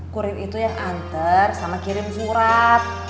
kurir itu yang antar sama kirim surat